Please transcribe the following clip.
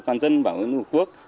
toàn dân bảo vệ nữ quốc